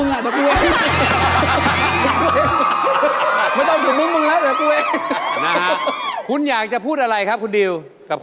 เรานี่ก็ใช้ได้อยู่นะ